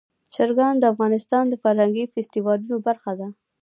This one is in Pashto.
چرګان د افغانستان د فرهنګي فستیوالونو برخه ده.